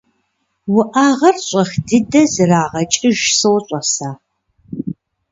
- Уӏэгъэр щӏэх дыдэ зэрагъэкӏыж сощӏэ сэ.